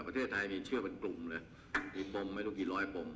ประเทศไทยนี่เชื่อเป็นกลุ่มเลยมีปมไม่รู้กี่ร้อยปม